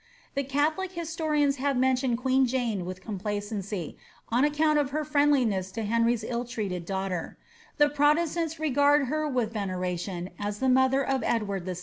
* The catholic historians have mentioned queen Jane with complacency, on account of her friendliness to Henry's ill treated daughter ; the pio testants regard her with veneration as the mother of Edward VI.